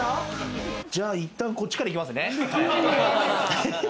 いったんこっちから行きますね。